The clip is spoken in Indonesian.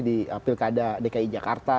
di pilkada dki jakarta